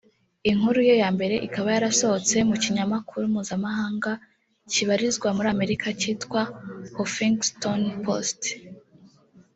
inkuru ye ya mbere ikaba yarasohotse mu kinyamakuru mpuzamahanga kibarizwa muri Amerika cyitwa Huffingstonpost